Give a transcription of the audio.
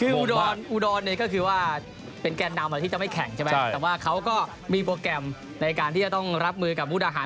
คืออุดรเนี่ยก็คือว่าเป็นแกนนำที่จะไม่แข่งใช่ไหมแต่ว่าเขาก็มีโปรแกรมในการที่จะต้องรับมือกับมุกดาหาร